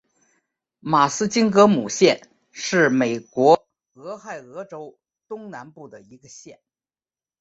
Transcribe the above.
马斯金格姆县是美国俄亥俄州东南部的一个县。